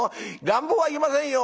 「乱暴はいけませんよ